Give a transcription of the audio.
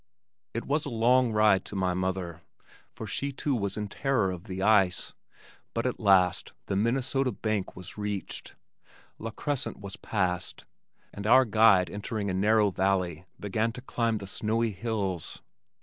It was a long ride to my mother, for she too was in terror of the ice, but at last the Minnesota bank was reached, La Crescent was passed, and our guide entering a narrow valley began to climb the snowy hills.